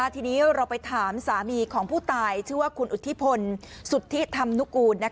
ทีนี้เราไปถามสามีของผู้ตายชื่อว่าคุณอุทธิพลสุธิธรรมนุกูล